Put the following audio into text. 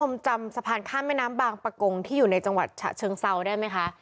จำสะพานข้ามแม่น้ำบางประกงที่อยู่ในจังหวัดฉะเชิงเซาได้ไหมคะ